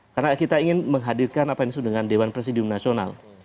karena kita ingin menghadirkan apa yang disuruh dengan dewan presidium nasional